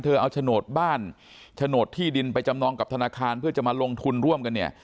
เอาโฉนดบ้านโฉนดที่ดินไปจำนองกับธนาคารเพื่อจะมาลงทุนร่วมกันเนี่ย